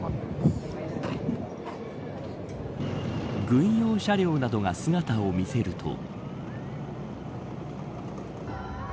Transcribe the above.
軍用車両などが姿を見せると。